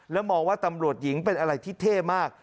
แล้วมองว่าตำรวจหญิงเป็นอะไรที่เท่มาก